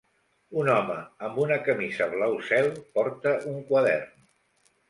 Un home amb una camisa blau cel porta un quadern.